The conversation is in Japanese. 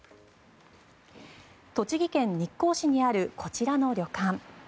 栃木県日光市にあるこちらの旅館。